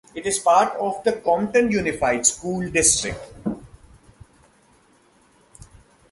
It is part of the Compton Unified School District.